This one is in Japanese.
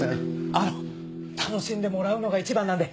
あの楽しんでもらうのが一番なんで。